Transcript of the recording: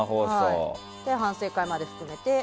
反省まで含めて。